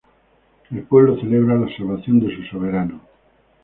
El pueblo celebra la salvación de su soberano.